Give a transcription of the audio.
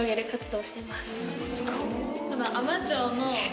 すごっ。